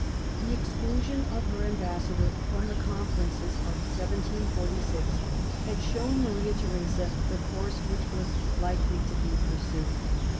The exclusion of her ambassador from the con ferences of 1746 had shown Maria Theresa the course which was likely to be pursued.